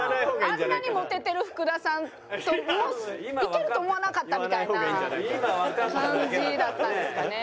「あんなにモテてる福田さんとイケると思わなかった」みたいな感じだったんですかね。